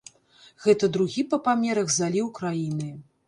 Гэта другі па памерах заліў краіны.